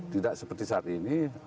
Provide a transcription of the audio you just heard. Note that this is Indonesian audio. tidak seperti saat ini